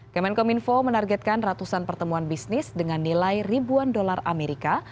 kemenkominfo menargetkan ratusan pertemuan bisnis dengan nilai ribuan dolar amerika